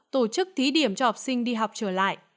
tổ chức thí điểm cho học sinh đi học trở lại